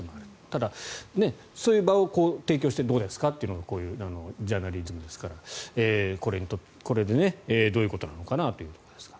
ただ、そういう場を提供してるところですというのがこういうジャーナリズムですからこれでどういうことなのかなというところですが。